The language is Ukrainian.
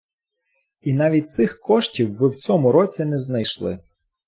І навіть цих коштів ви в цьому році не знайшли.